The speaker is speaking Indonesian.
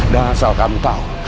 dan asal kamu tahu